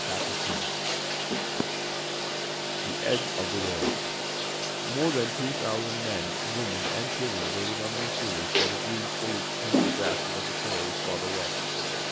_ CHAPTER II THE EDGE OF THE WORLD More than two thousand men, women and children waited on the Missouri for the green fully to tinge the grasses of the prairies farther west.